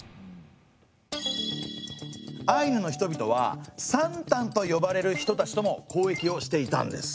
アイヌの人々はサンタンと呼ばれる人たちとも交易をしていたんです。